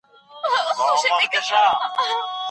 د شقاق په موضوع کي د حکمينو طلاق څنګه دی؟